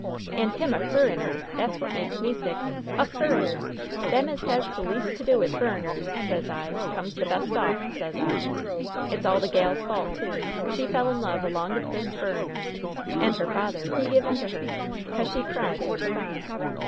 "And him a furriner! That's what makes me sick! A furriner! Them as has the least to do with furriners, sez I, comes the best off, sez I! It's all the gal's fault, too! She fell in love along of this furriner! And her father, he give in to her, 'cause she cried and took on!